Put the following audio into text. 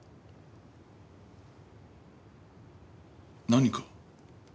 何か？